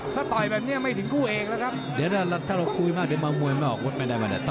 ถ้าต่อยแบบนี้ไม่ถึงกู้เอกแล้วครับ